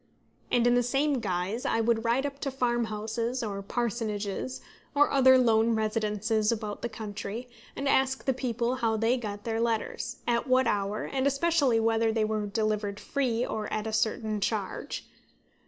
And in the same guise I would ride up to farmhouses, or parsonages, or other lone residences about the country, and ask the people how they got their letters, at what hour, and especially whether they were delivered free or at a certain charge.